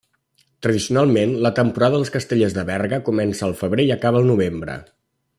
Tradicionalment, la temporada dels Castellers de Berga comença al febrer i acaba al novembre.